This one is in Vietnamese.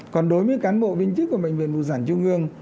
còn đối với cán bộ viên chức của bệnh viện bộ giản trung ương